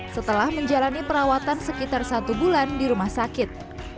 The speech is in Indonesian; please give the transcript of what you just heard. setelah menjalani perawatan sekitar satu bulan di rumah sakit